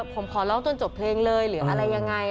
ผมขอร้องจนจบเพลงเลยหรืออะไรยังไง